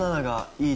いい。